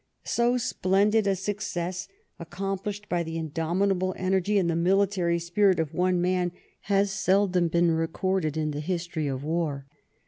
So splendid a success, accom plished by the indomitable energy and the military spirit of one man, has seldom been recorded in the history of war.